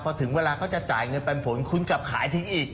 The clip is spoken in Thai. พอถึงเวลาเขาจะจ่ายเงินปันผลคุณกลับขายทิ้งอีก